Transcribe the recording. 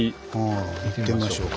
行ってみましょうか。